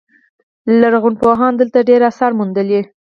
لرغونپوهانو دلته ډیر اثار موندلي